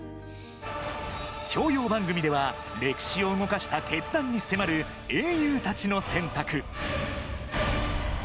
教養番組では、歴史を動かした決断に迫る「英雄たちの選択」。